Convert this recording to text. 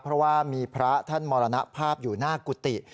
เพราะว่ามีพระท่านมรณภาพอยู่หน้ากุฏิ